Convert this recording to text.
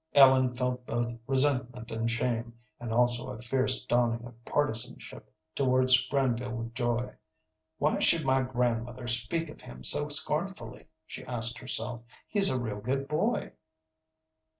Ellen felt both resentment and shame, and also a fierce dawning of partisanship towards Granville Joy. "Why should my grandmother speak of him so scornfully?" she asked herself. "He is a real good boy."